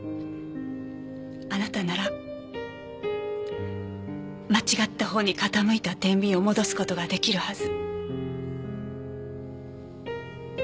あなたなら間違ったほうに傾いた天秤を戻す事が出来るはず。